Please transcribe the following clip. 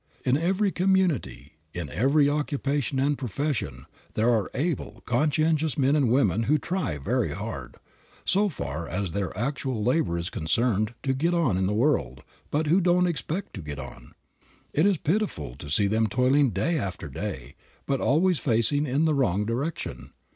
In every community, in every occupation and profession, there are able, conscientious men and women who try very hard, so far as their actual labor is concerned, to get on in the world, but who don't expect to get on. It is pitiful to see them toiling day after day, but always facing in the wrong direction.